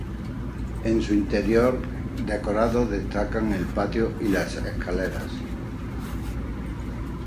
En su interior, decorados, destacan el patio y las escaleras.